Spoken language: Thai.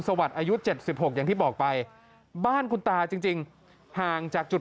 สวัสดีอายุ๗๖อย่างที่บอกไปบ้านคุณตาจริงห่างจากจุด